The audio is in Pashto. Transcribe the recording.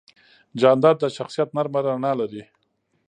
جانداد د شخصیت نرمه رڼا لري.